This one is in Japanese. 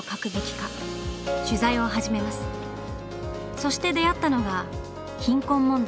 そして出会ったのが「貧困問題」。